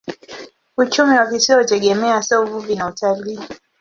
Uchumi wa kisiwa hutegemea hasa uvuvi na utalii.